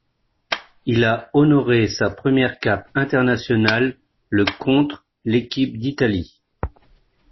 Il a honoré sa première cape internationale le contre l'équipe d'Italie.